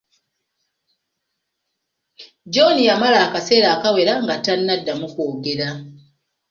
John yamala akaseera akawera nga tanaddamu kwogera.